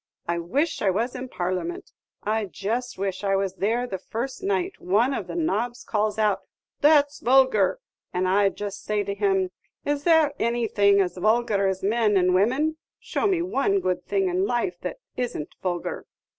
I wish I was in Parliament I just wish I was there the first night one of the nobs calls out 'That 's vulgar;' and I 'd just say to him, 'Is there anything as vulgar as men and women? Show me one good thing in life that is n't vulgar!